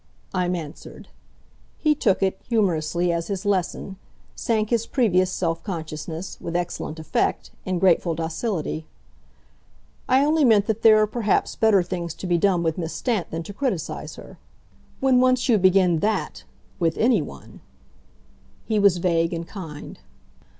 "I'm answered." He took it, humorously, as his lesson sank his previous self consciousness, with excellent effect, in grateful docility. "I only meant that there are perhaps better things to be done with Miss Stant than to criticise her. When once you begin THAT, with anyone !" He was vague and kind.